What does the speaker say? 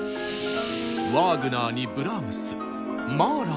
ワーグナーにブラームスマーラーまで。